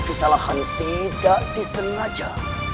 kesalahan tidak disengaja